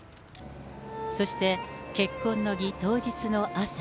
そして、結婚の儀当日の朝。